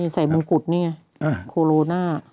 ใส่มงกุฎนี่ไงโคโรน่า